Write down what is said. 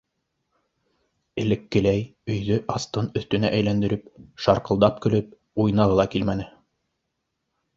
Элеккеләй өйҙө аҫтын-өҫтөнә әйләндереп, шарҡылдап көлөп уйнағы ла килмәне.